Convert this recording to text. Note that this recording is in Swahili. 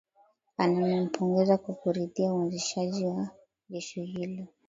Amempongeza kwa kuridhia uanzishwaji wa jeshi hilo